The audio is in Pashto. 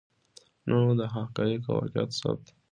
نو د حقایقو او واقعاتو ثبت